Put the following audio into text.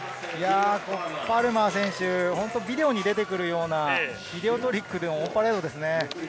パルマー選手、ビデオに出てくるようなビデオトリックでもオンパレードですね。